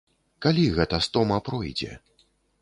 Калі гэта стома пройдзе?